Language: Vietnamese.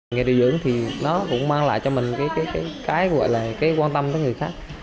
nghề điều dưỡng thì nó cũng mang lại cho mình cái quan tâm tới người khác